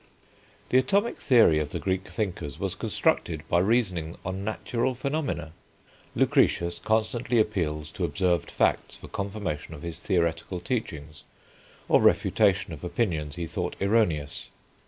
The atomic theory of the Greek thinkers was constructed by reasoning on natural phenomena. Lucretius constantly appeals to observed facts for confirmation of his theoretical teachings, or refutation of opinions he thought erroneous.